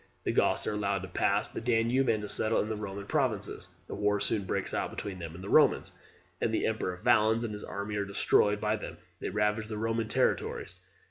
The Goths are allowed to pass the Danube, and to settle in the Roman provinces. A war soon breaks out between them and the Romans, and the emperor Valens and his army are destroyed by them. They ravage the Roman territories.